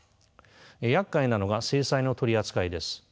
やっかいなのが制裁の取り扱いです。